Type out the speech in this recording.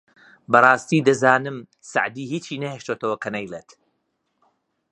! بەڕاستی دەزانم سەعدی هیچی نەهێشتۆتەوە کە نەیڵێت